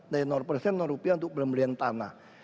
dari nor persen nor rupiah untuk pemberian tanah